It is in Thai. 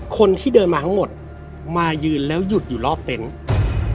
คนที่เดินมาทั้งหมดมายืนแล้วหยุดอยู่รอบเต็นต์